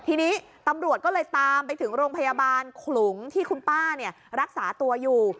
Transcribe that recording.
ทีนี้ตำรวจก็เลยตามไปถึงโรงพยาบาลขลุงที่คุณป้ารักษาตัวอยู่